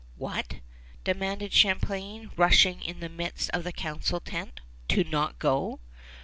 "What," demanded Champlain, rushing into the midst of the council tent, "not go?